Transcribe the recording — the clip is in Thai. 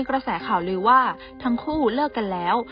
กระแสข่าวลือว่าทั้งคู่เลิกกันแล้ว